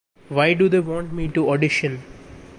Why do they want me to audition?